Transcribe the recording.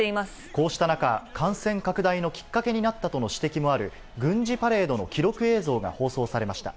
こうした中、感染拡大のきっかけになったとの指摘もある軍事パレードの記録映像が放送されました。